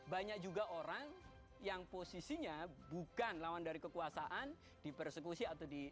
banyak juga orang yang posisinya bukan lawan dari kekuasaan di persekusi atau di